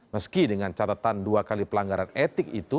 meski dengan catatan dua kali pelanggaran etik itu